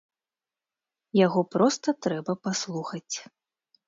Яго проста трэба паслухаць.